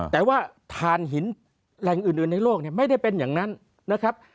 แต่ว่าฐานหินแหล่งอื่นในโลกไม่ได้เป็นอย่างนั้นนะครับ